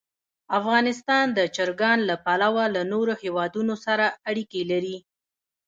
افغانستان د چرګان له پلوه له نورو هېوادونو سره اړیکې لري.